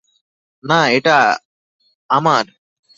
না এটা আমার।